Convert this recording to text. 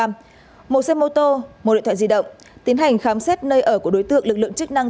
một xe mô tô một điện thoại di động tiến hành khám xét nơi ở của đối tượng lực lượng chức năng